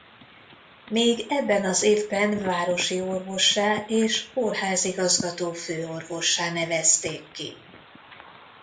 Még ebben az évben városi orvossá és kórházigazgató-főorvossá nevezték ki.